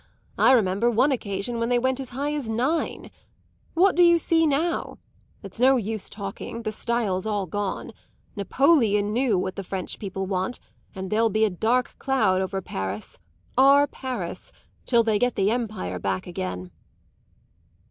I remember one occasion when they went as high as nine. What do you see now? It's no use talking, the style's all gone. Napoleon knew what the French people want, and there'll be a dark cloud over Paris, our Paris, till they get the Empire back again."